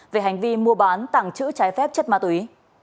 về hành vi mua bán tảng chữ trái phép chất ma túy